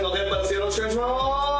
よろしくお願いします